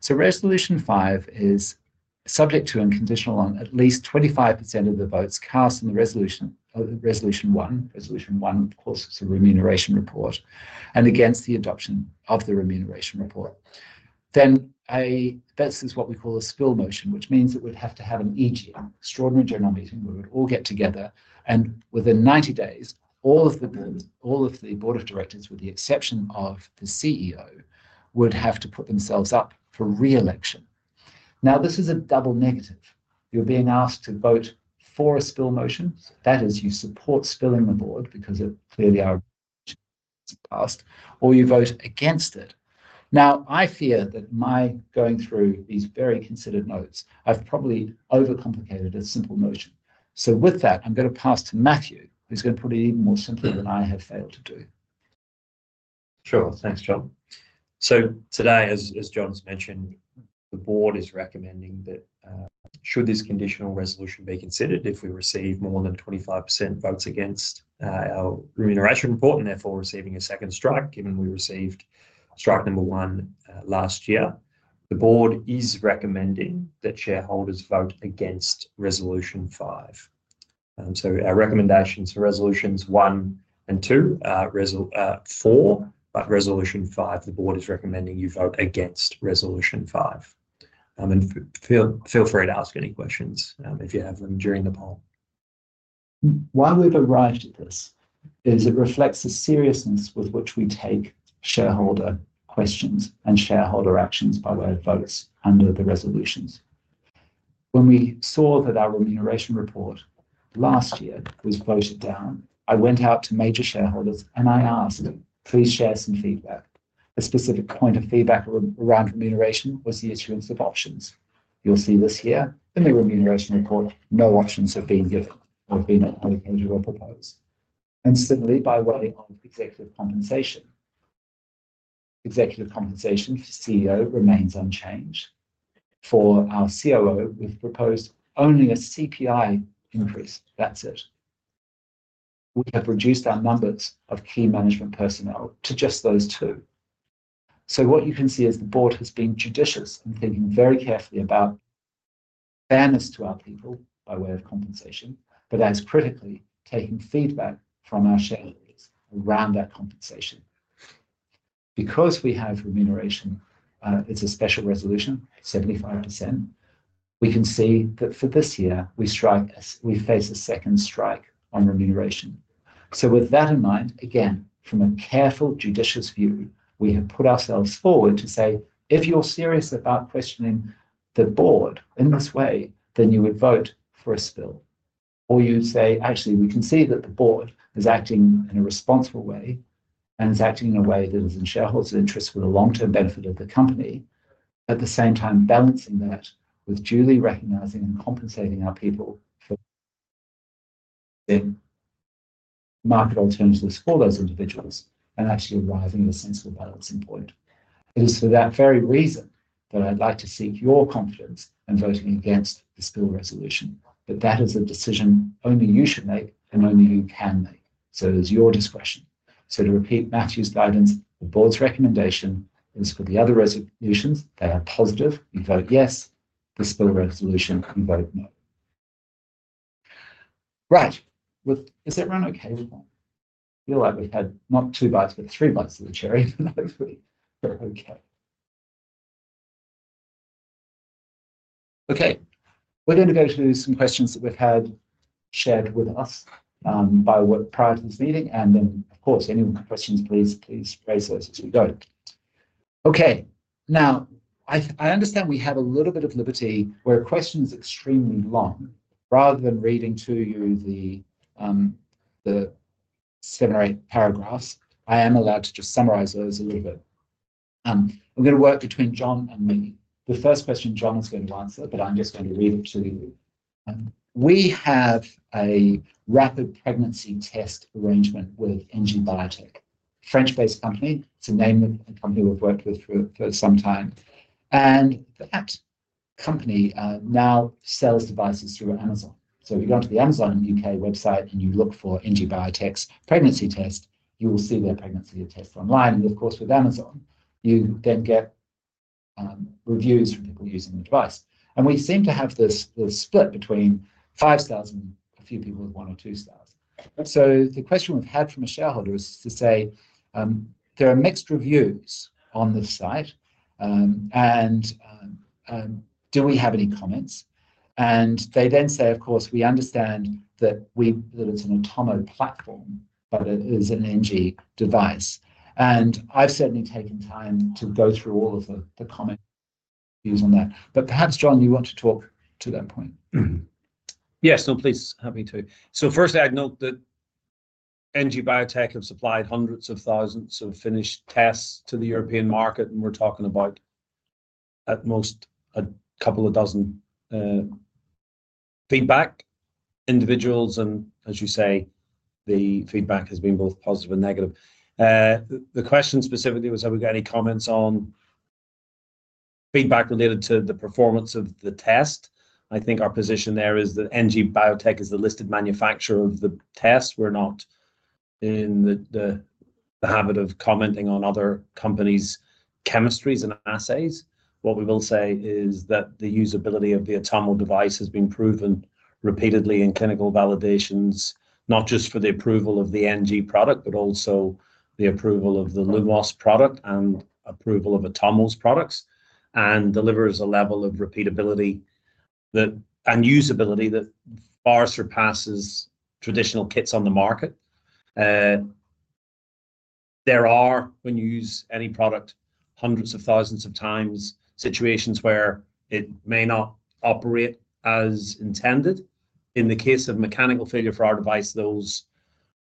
Speaker 1: So resolution five is subject to and conditional on at least 25% of the votes cast in resolution one. Resolution one, of course, is a Remuneration Report and against the adoption of the Remuneration Report. Then this is what we call a spill motion, which means that we'd have to have an EGM, Extraordinary General Meeting, where we'd all get together. And within 90 days, all of the board of directors, with the exception of the CEO, would have to put themselves up for re-election. Now, this is a double negative. You're being asked to vote for a spill motion. That is, you support spilling the board because it clearly is passed, or you vote against it. Now, I fear that my going through these very considered notes, I've probably overcomplicated a simple motion. So with that, I'm going to pass to Matthew, who's going to put it even more simply than I have failed to do.
Speaker 3: Sure. Thanks, John. So today, as John's mentioned, the board is recommending that should this conditional resolution be considered, if we receive more than 25% votes against our Remuneration Report and therefore receiving a second strike, given we received strike number one last year, the board is recommending that shareholders vote against resolution five. So our recommendations for resolutions one and two are four. But resolution five, the board is recommending you vote against resolution five. And feel free to ask any questions if you have them during the poll.
Speaker 1: Why we've arrived at this is it reflects the seriousness with which we take shareholder questions and shareholder actions by way of votes under the resolutions. When we saw that our Remuneration Report last year was voted down, I went out to major shareholders and I asked, "Please share some feedback." A specific point of feedback around remuneration was the issuance of options. You'll see this here. In the Remuneration Report, no options have been given or have been adopted or proposed, and similarly by way of executive compensation, executive compensation for CEO remains unchanged. For our COO, we've proposed only a CPI increase. That's it, so what you can see is the board has been judicious in thinking very carefully about fairness to our people by way of compensation, but as critically, taking feedback from our shareholders around that compensation. Because we have remuneration, it's a special resolution, 75%, we can see that for this year, we face a second strike on remuneration. So with that in mind, again, from a careful, judicious view, we have put ourselves forward to say, "If you're serious about questioning the board in this way, then you would vote for a spill." Or you'd say, "Actually, we can see that the board is acting in a responsible way and is acting in a way that is in shareholders' interest for the long-term benefit of the company, at the same time balancing that with duly recognizing and compensating our people for market alternatives for those individuals and actually arriving at a sensible balancing point." It is for that very reason that I'd like to seek your confidence in voting against the Spill Resolution. But that is a decision only you should make and only you can make. So it is your discretion. So to repeat Matthew's guidance, the board's recommendation is for the other resolutions, they are positive. You vote yes. The Spill Resolution, you vote no. Right. Is everyone okay with that? I feel like we've had not two bites but three bites of the cherry. Hopefully, we're okay. Okay. We're going to go to some questions that we've had shared with us prior to this meeting. And then, of course, any questions, please raise those as we go. Okay. Now, I understand we have a little bit of liberty where a question is extremely long. Rather than reading to you the seven or eight paragraphs, I am allowed to just summarize those a little bit. I'm going to work between John and me. The first question John is going to answer, but I'm just going to read it to you. We have a rapid pregnancy test arrangement with NG Biotech, a French-based company. It's a name of a company we've worked with for some time. And that company now sells devices through Amazon. So if you go onto the Amazon U.K. website and you look for NG Biotech's pregnancy test, you will see their pregnancy test online. And of course, with Amazon, you then get reviews from people using the device. And we seem to have this split between five stars and a few people with one or two stars. So the question we've had from a shareholder is to say, "There are mixed reviews on the site. And do we have any comments?" And they then say, "Of course, we understand that it's an Atomo platform, but it is an NG device." And I've certainly taken time to go through all of the comments on that. But perhaps, John, you want to talk to that point.
Speaker 2: Yes. No, please. Happy to. So first, I'd note that NG Biotech have supplied hundreds of thousands of finished tests to the European market. And we're talking about at most a couple of dozen feedback individuals. And as you say, the feedback has been both positive and negative. The question specifically was, "Have we got any comments on feedback related to the performance of the test?" I think our position there is that NG Biotech is the listed manufacturer of the test. We're not in the habit of commenting on other companies' chemistries and assays. What we will say is that the usability of the Atomo device has been proven repeatedly in clinical validations, not just for the approval of the NG product, but also the approval of the Lumos product and approval of Atomo's products, and delivers a level of repeatability and usability that far surpasses traditional kits on the market. There are, when you use any product hundreds of thousands of times, situations where it may not operate as intended. In the case of mechanical failure for our device, those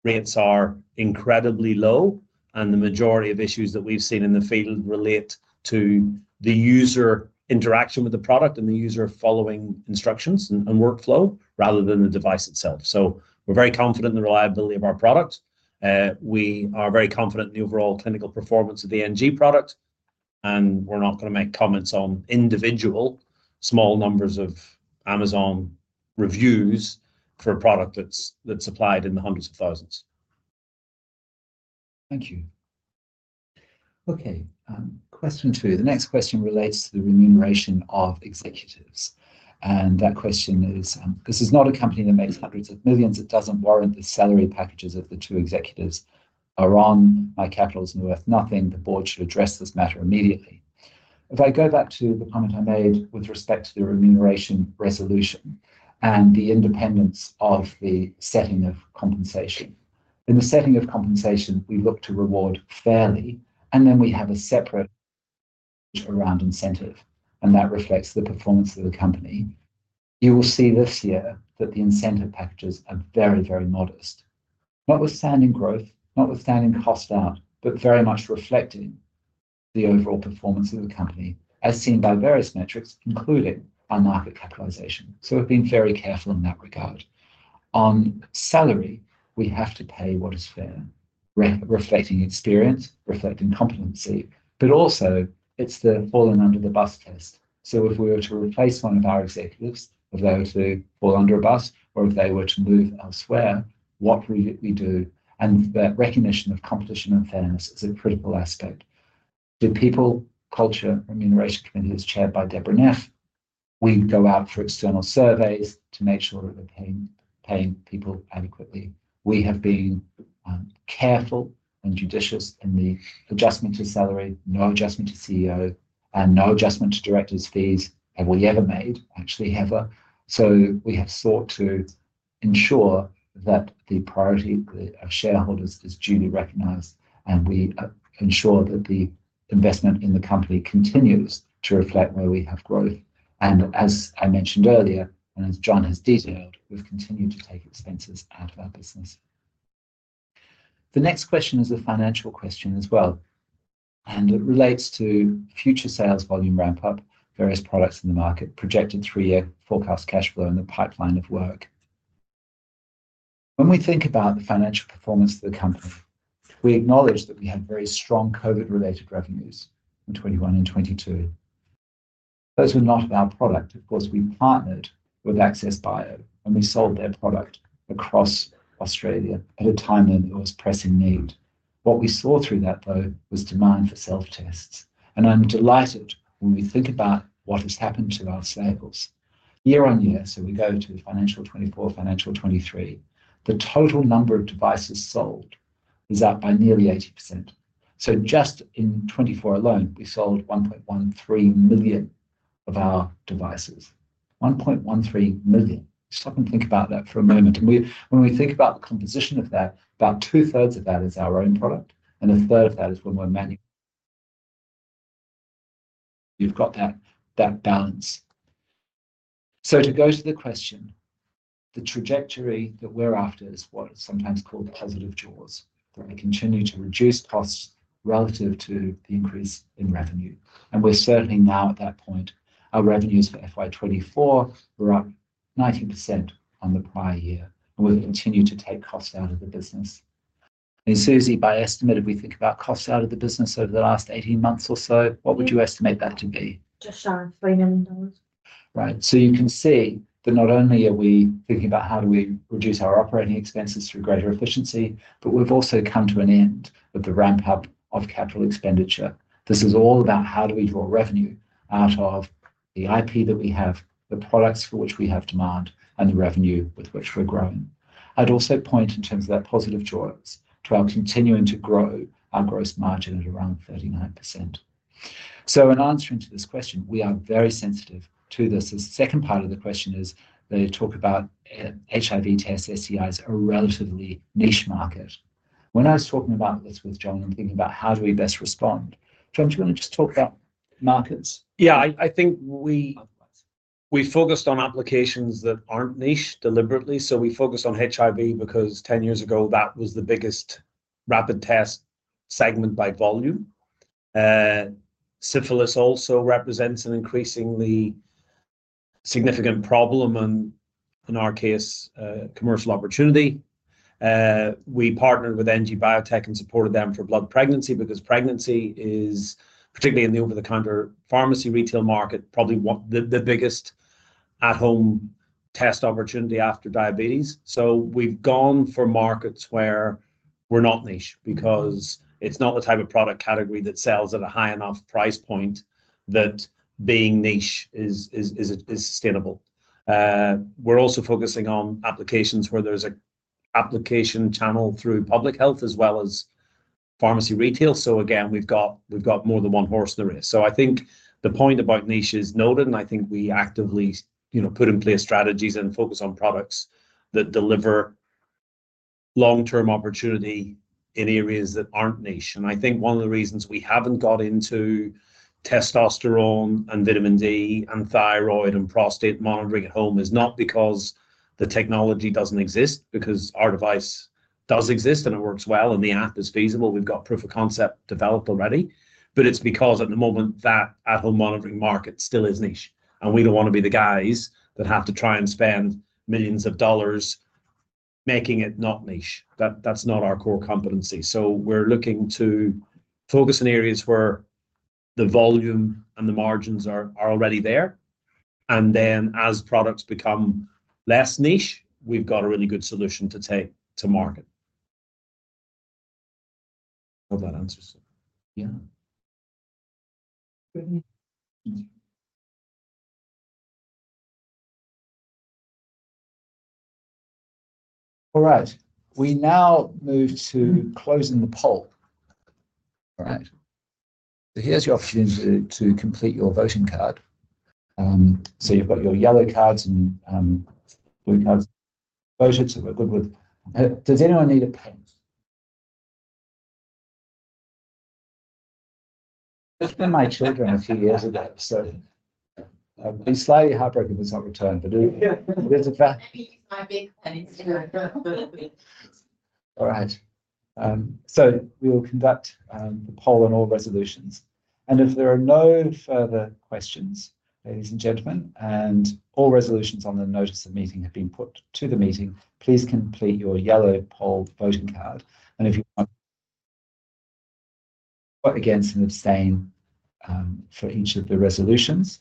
Speaker 2: rates are incredibly low, and the majority of issues that we've seen in the field relate to the user interaction with the product and the user following instructions and workflow rather than the device itself, so we're very confident in the reliability of our product. We are very confident in the overall clinical performance of the NG product. We're not going to make comments on individual small numbers of Amazon reviews for a product that's supplied in the hundreds of thousands.
Speaker 1: Thank you. Okay. Question two. The next question relates to the remuneration of executives. That question is, "This is not a company that makes hundreds of millions. It doesn't warrant the salary packages of the two executives are on. My capital is worth nothing. The board should address this matter immediately." If I go back to the comment I made with respect to the remuneration resolution and the independence of the setting of compensation. In the setting of compensation, we look to reward fairly. Then we have a separate around incentive. That reflects the performance of the company. You will see this year that the incentive packages are very, very modest, notwithstanding growth, notwithstanding cost out, but very much reflecting the overall performance of the company, as seen by various metrics, including our market capitalization, so we've been very careful in that regard. On salary, we have to pay what is fair, reflecting experience, reflecting competency, but also, it's the falling under the bus test, so if we were to replace one of our executives, if they were to fall under a bus, or if they were to move elsewhere, what would we do, and that recognition of competition and fairness is a critical aspect. The People Culture Remuneration Committee is chaired by Deborah Neff. We go out for external surveys to make sure that we're paying people adequately. We have been careful and judicious in the adjustment to salary, no adjustment to CEO, and no adjustment to directors' fees that we ever made, actually ever, so we have sought to ensure that the priority of shareholders is duly recognized, and we ensure that the investment in the company continues to reflect where we have growth, and as I mentioned earlier, and as John has detailed, we've continued to take expenses out of our business. The next question is a financial question as well, and it relates to future sales volume ramp-up, various products in the market, projected three-year forecast cash flow, and the pipeline of work. When we think about the financial performance of the company, we acknowledge that we had very strong COVID-related revenues in 2021 and 2022. Those were not our product. Of course, we partnered with Access Bio, and we sold their product across Australia at a time when it was pressing need. What we saw through that, though, was demand for self-tests. And I'm delighted when we think about what has happened to our sales. Year-on-year, so we go to financial 2024, financial 2023, the total number of devices sold is up by nearly 80%. So just in 2024 alone, we sold 1.13 million of our devices. 1.13 million. Stop and think about that for a moment. And when we think about the composition of that, about 2/3 of that is our own product, and 1/3 of that is when we're manual. You've got that balance. So to go to the question, the trajectory that we're after is what is sometimes called positive jaws, that we continue to reduce costs relative to the increase in revenue. We're certainly now at that point. Our revenues for FY 2024 were up 90% on the prior year. We've continued to take costs out of the business. Suzy, by estimate, if we think about costs out of the business over the last 18 months or so, what would you estimate that to be? Just shy of 3 million dollars. Right. You can see that not only are we thinking about how do we reduce our operating expenses through greater efficiency, but we've also come to an end of the ramp-up of capital expenditure. This is all about how do we draw revenue out of the IP that we have, the products for which we have demand, and the revenue with which we're growing. I'd also point in terms of that positive jaws to our continuing to grow our gross margin at around 39%. So in answering to this question, we are very sensitive to this. The second part of the question is they talk about HIV tests, STIs, a relatively niche market. When I was talking about this with John and thinking about how do we best respond, John, do you want to just talk about markets?
Speaker 2: Yeah. I think we focused on applications that aren't niche deliberately. So we focused on HIV because 10 years ago, that was the biggest rapid test segment by volume. Syphilis also represents an increasingly significant problem and, in our case, commercial opportunity. We partnered with NG Biotech and supported them for blood pregnancy because pregnancy is, particularly in the over-the-counter pharmacy retail market, probably the biggest at-home test opportunity after diabetes. So we've gone for markets where we're not niche because it's not the type of product category that sells at a high enough price point that being niche is sustainable. We're also focusing on applications where there's an application channel through public health as well as pharmacy retail. So again, we've got more than one horse in the race. So I think the point about niche is noted. And I think we actively put in place strategies and focus on products that deliver long-term opportunity in areas that aren't niche. And I think one of the reasons we haven't got into testosterone and vitamin D and thyroid and prostate monitoring at home is not because the technology doesn't exist, because our device does exist and it works well and the app is feasible. We've got proof of concept developed already. But it's because at the moment, that at-home monitoring market still is niche. And we don't want to be the guys that have to try and spend millions of dollars making it not niche. That's not our core competency. So we're looking to focus in areas where the volume and the margins are already there. And then as products become less niche, we've got a really good solution to market. Hope that answers it.
Speaker 1: Yeah. All right. We now move to closing the poll. All right. So here's your opportunity to complete your voting card. So you've got your yellow cards and blue cards. Voted to a good one. Does anyone need a pen? Just for my children a few years ago. So I'll be slightly heartbroken if it's not returned. But there's a pen. Maybe he's my big pen stealer. All right. We will conduct the poll and all resolutions. And if there are no further questions, ladies and gentlemen, and all resolutions on the notice of meeting have been put to the meeting, please complete your yellow poll voting card. And if you want to vote against and abstain for each of the resolutions,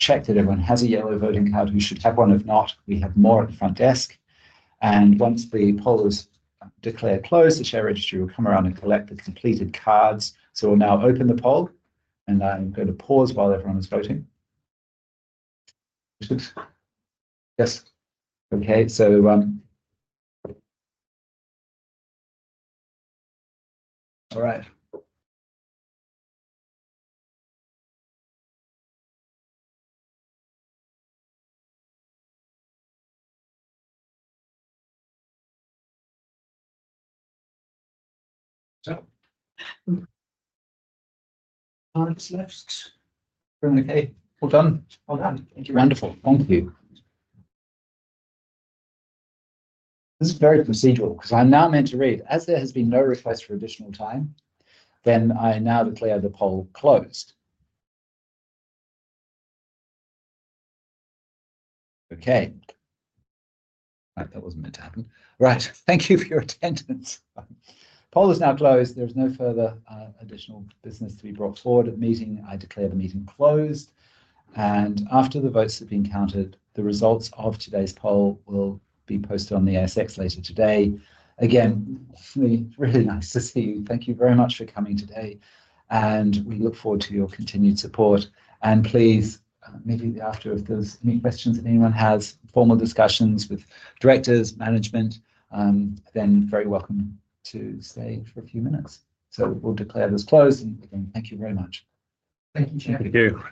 Speaker 1: check that everyone has a yellow voting card who should have one. If not, we have more at the front desk. And once the poll is declared closed, the share registry will come around and collect the completed cards. We'll now open the poll. And I'm going to pause while everyone is voting. Yes. Okay. All right. All right. Okay. All done. All done. Thank you. Wonderful. Thank you. This is very procedural because I'm now meant to read. As there has been no request for additional time, then I now declare the poll closed. Okay. Right. That wasn't meant to happen. Right. Thank you for your attendance. Poll is now closed. There is no further additional business to be brought forward at meeting. I declare the meeting closed, and after the votes have been counted, the results of today's poll will be posted on the ASX later today. Again, it's really nice to see you. Thank you very much for coming today, and we look forward to your continued support, and please, maybe after if there's any questions that anyone has, formal discussions with directors, management, then very welcome to stay for a few minutes, so we'll declare this closed, and again, thank you very much.
Speaker 2: Thank you, John.
Speaker 1: Thank you.